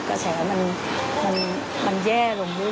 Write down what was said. กระแสมันแย่ลงเรื่อย